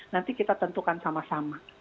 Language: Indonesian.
nanti kita tentukan sama sama